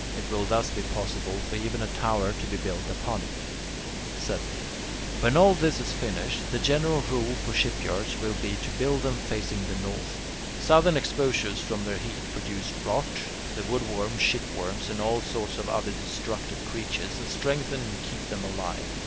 It will thus be possible for even a tower to be built upon it. 7. When all this is finished, the general rule for shipyards will be to build them facing the north. Southern exposures from their heat produce rot, the wood worm, shipworms, and all sorts of other destructive creatures, and strengthen and keep them alive.